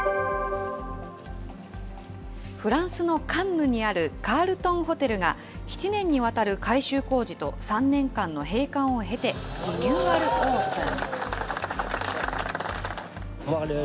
フランスのカンヌにあるカールトン・ホテルが、７年にわたる改修工事と３年間の閉館を経て、リニューアルオープン。